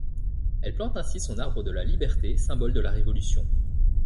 Elle plante ainsi son arbre de la liberté, symbole de la Révolution.